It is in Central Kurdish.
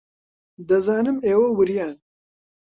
دەزانم ئێوە وریان.